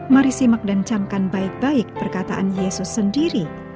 mari simak dan camkan baik baik perkataan yesus sendiri